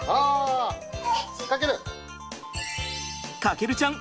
翔ちゃん